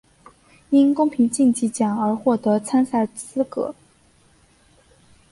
因公平竞技奖而获得参赛资格。